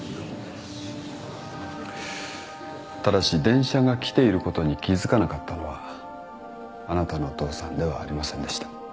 ただし電車が来ていることに気付かなかったのはあなたのお父さんではありませんでした。